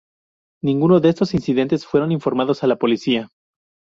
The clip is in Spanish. Ninguno de estos incidentes fueron informados a la policía.